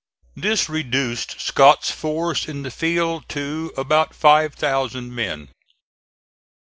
This reduced Scott's force in the field to about five thousand men.